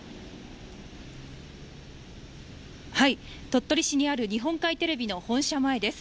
鳥取市にある日本海テレビの本社前です。